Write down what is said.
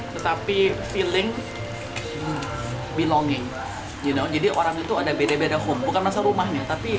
tetapi feeling belonging jadi orang itu ada beda beda home bukan rasa rumahnya tapi